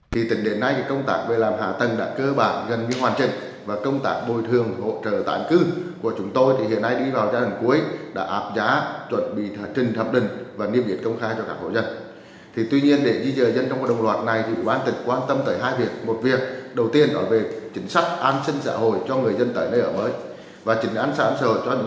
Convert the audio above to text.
chính sách an sinh xã hội cho người dân tới nơi ở mới và chính án sản sở cho những người có việc làm không có việc làm tạo các điều kiện để các người dân tới nơi ở mới có cuộc sống tốt hơn